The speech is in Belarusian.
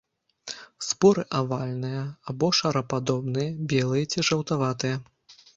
Споры авальныя або шарападобныя, белыя ці жаўтаватыя.